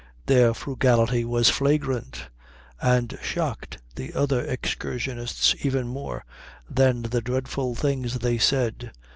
Their frugality was flagrant, and shocked the other excursionists even more than the dreadful things they said.